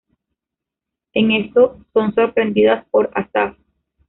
En eso son sorprendidas por Asaf.